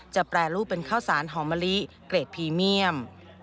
แปรรูปเป็นข้าวสารหอมมะลิเกรดพรีเมียม